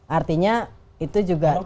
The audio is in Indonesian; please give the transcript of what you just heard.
artinya itu juga